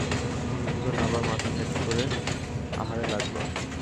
মধুসূদন আবার মাথা হেঁট করে আহারে লাগল।